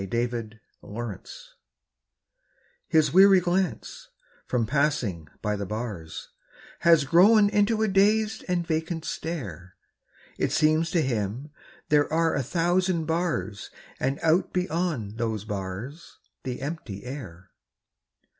THE PANTHER His weary glance, from passing by the bars, Has grown into a dazed and vacant stare; It seems to him there are a thousand bars And out beyond those bars the empty air.